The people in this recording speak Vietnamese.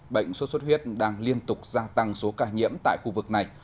bệnh sốt xuất huyết đang liên tục gia tăng số ca nhiễm tại khu vực này